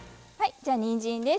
じゃあにんじんです。